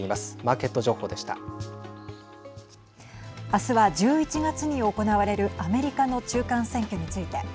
明日は１１月に行われるアメリカの中間選挙について。